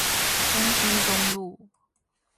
中興東路